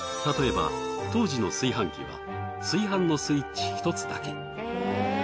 たとえば当時の炊飯器は炊飯のスイッチ１つだけ。